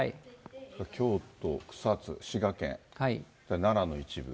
京都、草津、滋賀県、それから奈良の一部。